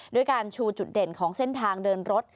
ด้วยการชูจุดเด่นของเส้นทางเดินรถ